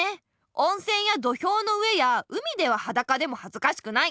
おんせんや土俵の上や海でははだかでもはずかしくない。